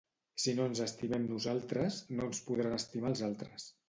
Si no ens estimem nosaltres, no ens podran estimar els altres